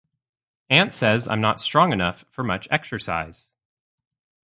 Aunt says I'm not strong enough for much exercise.